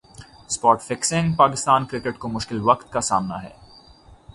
spot fixing Pakistan cricket کو مشکل وقت کا سامنا ہے